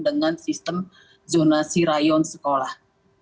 dengan sistem zonasi rayon sekolah